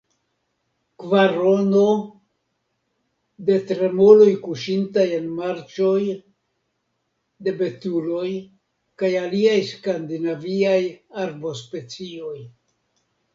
Kvarono – de tremoloj kuŝintaj en marĉoj, de betuloj kaj aliaj skandinaviaj arbospecioj.